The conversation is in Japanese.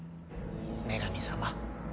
女神様。